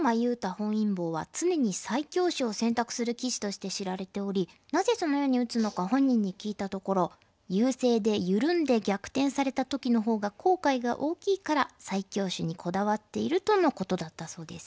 本因坊は常に最強手を選択する棋士として知られておりなぜそのように打つのか本人に聞いたところ優勢で緩んで逆転された時のほうが後悔が大きいから最強手にこだわっているとのことだったそうです。